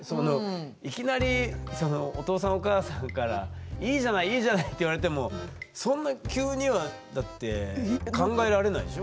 いきなりお父さんお母さんから「いいじゃないいいじゃない」って言われてもそんな急にはだって考えられないでしょ？